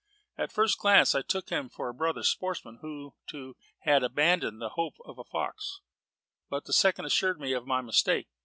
At first glance I took him for a brother sportsman who, too, had abandoned hope of a fox. But the second assured me of my mistake.